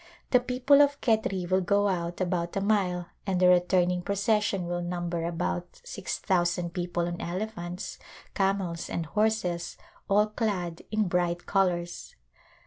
The people of Khetri will go out about a mile and the returning procession will number about six thousand people on elephants, camels, and horses, all clad in bright colors.